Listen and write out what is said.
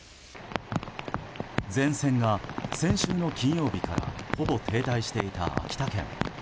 前線が先週の金曜日からほぼ停滞していた秋田県。